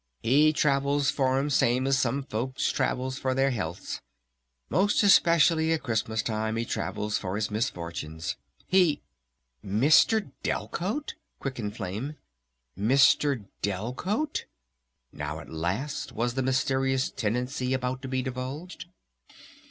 "He travels for 'em same as some folks travels for their healths. Most especially at Christmas Time he travels for his misfortunes! He ..." "Mr. Delcote?" quickened Flame. "Mr. Delcote?" (Now at last was the mysterious tenancy about to be divulged?)